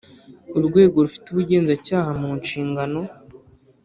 Urwego rufite ubugenzacyaha mu nshingano